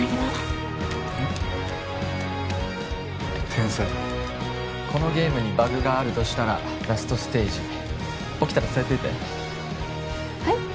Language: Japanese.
天才このゲームにバグがあるとしたらラストステージ起きたら伝えといてはい？